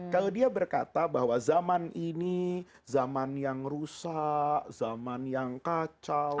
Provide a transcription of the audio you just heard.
kalau dia berkata bahwa zaman ini zaman yang rusak zaman yang kacau